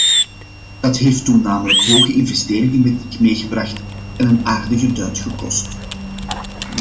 Dat heeft toen tamelijk hoge investeringen met zich meegebracht en een aardige duit gekost.